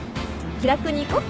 気楽にいこう。